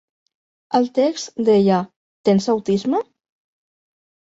El text deia "Tens autisme?".